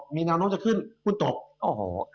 มีแนวน้องจะขึ้นคุณตก